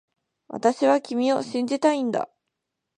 私は君を信じたいんだ